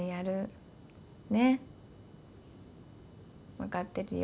分かってるよ。